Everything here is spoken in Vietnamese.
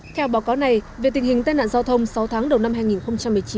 theo báo cáo này về tình hình tai nạn giao thông sáu tháng đầu năm hai nghìn một mươi chín